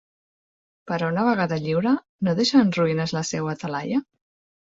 Però una vegada lliure, no deixa en ruïnes la seua talaia?